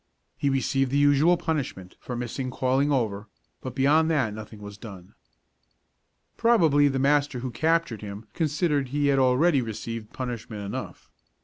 He received the usual punishment for missing calling over, but beyond that nothing was done. Probably the master who captured him considered he had already received punishment enough.